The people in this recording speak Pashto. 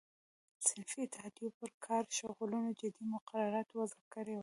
صنفي اتحادیو پر کاري شغلونو جدي مقررات وضع کړي وو.